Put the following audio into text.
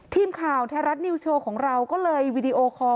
ทีมข่าวไทยรัฐนิวส์โชว์ของเราก็เลยวีดีโอคอร์